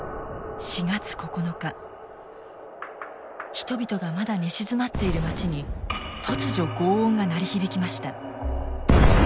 人々がまだ寝静まっている町に突如ごう音が鳴り響きました。